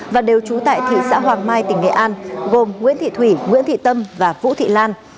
và đều trú tại thị xã hoàng mai tỉnh nghệ an gồm nguyễn thị thủy nguyễn thị tâm và vũ thị lan